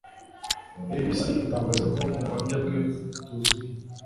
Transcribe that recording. ABC itangaza ko ubuhamya bwe butuzuye